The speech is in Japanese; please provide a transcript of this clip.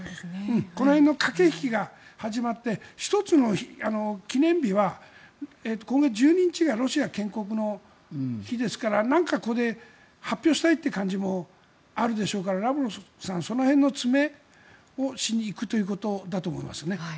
この辺の駆け引きが始まって１つの記念日は今月１２日がロシアが建国の日ですからなんかここで発表したいという感じもあるでしょうからラブロフさんはその辺の詰めをしに行くということだと思います。